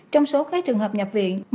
trong số các trường hợp nhập viện